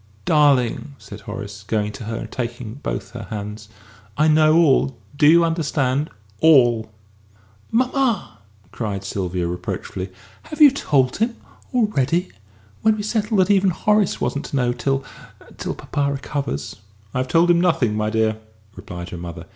"Darling!" said Horace, going to her and taking both her hands, "I know all do you understand? all!" "Mamma!" cried Sylvia, reproachfully, "have you told him already? When we settled that even Horace wasn't to know till till papa recovers!" "I have told him nothing, my dear," replied her mother.